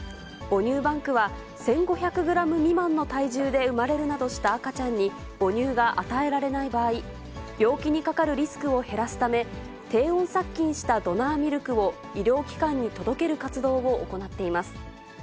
母乳バンクは、１５００グラム未満の体重で生まれるなどした赤ちゃんに、母乳が与えられない場合、病気にかかるリスクを減らすため、低温殺菌したドナーミルクを医療機関に届ける活動を行っています。